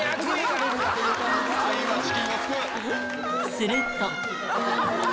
すると。